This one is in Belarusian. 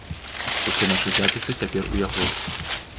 Усе нашы запісы цяпер у яго.